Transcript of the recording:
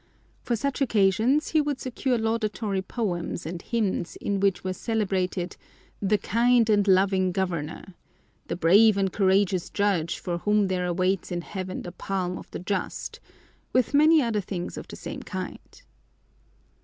For such occasions he would secure laudatory poems and hymns in which were celebrated "the kind and loving governor," "the brave and courageous judge for whom there awaits in heaven the palm of the just," with many other things of the same kind.